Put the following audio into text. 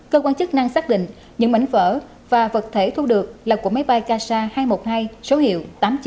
cơ quan chức năng xác định những mảnh vỡ và vật thể thu được là của máy bay casa hai trăm một mươi hai số hiệu tám nghìn chín trăm tám mươi ba